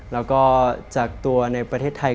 แล้วก็จากตัวในประเทศไทย